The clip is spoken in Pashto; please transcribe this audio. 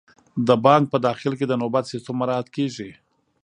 د بانک په داخل کې د نوبت سیستم مراعات کیږي.